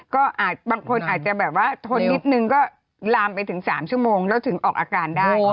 ก็บางคนอาจจะแบบว่าทนนิดนึงก็ลามไปถึง๓ชั่วโมงแล้วถึงออกอาการได้